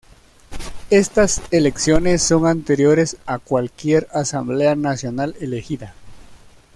Estas elecciones son anteriores a cualquier asamblea nacional elegida.